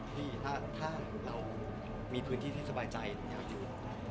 พี่ถ้าเรามีพื้นที่ที่สบายใจอยากอยู่